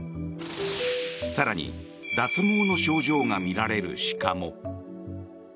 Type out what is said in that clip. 更に脱毛の症状が見られる鹿も。